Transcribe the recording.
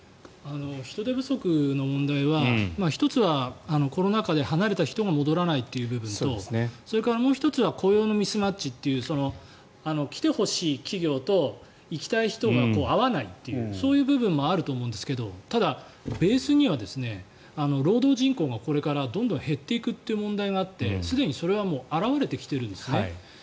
人手不足の問題は１つは、コロナ禍で離れた人が戻らないという部分ともう１つは雇用のミスマッチという来てほしい企業と行きたい人が合わないっていうそういう部分もあると思うんですがただ、ベースには労働人口がこれからどんどん減っていくという問題があってすでにそれは表れてきているんですね。